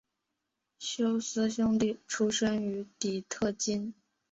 休斯兄弟出生于底特律。